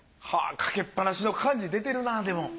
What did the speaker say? かけっぱなしの感じ出てるなでも。